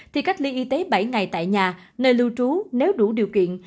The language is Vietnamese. thì cách ly y tế bảy ngày tại nhà nơi lưu trú nếu đủ điều kiện